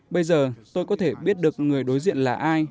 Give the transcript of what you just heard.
bây giờ tôi có thể biết được người đối diện là ai